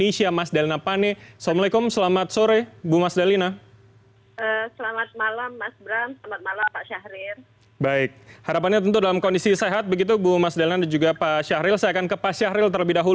assalamualaikum selamat sore pak syahril